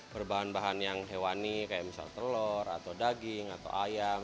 berbahan bahan yang hewani kayak misal telur atau daging atau ayam